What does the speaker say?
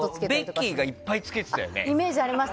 ベッキーがいっぱいつけてたよね。